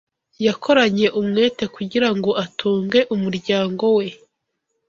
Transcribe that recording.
Yakoranye umwete kugirango atunge umuryango we .